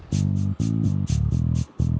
saya cuma mau tidur